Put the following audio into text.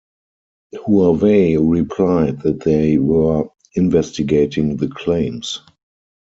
Huawei replied that they were investigating the claims.